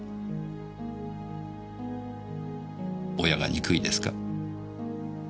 親が憎いですか？